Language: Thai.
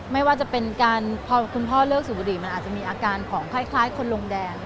ไม่ว่าจะเป็นการพอคุณพ่อเลิกสูบบุหรี่มันอาจจะมีอาการของคล้ายคนลงแดง